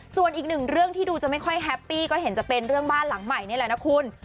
ส่วนอีกหนึ่งเรื่องที่ดูจะไม่ค่อยแฮปปี้ก็เห็นจะเป็นเรื่องบ้านหลังใหม่นี่แหละนะคุณ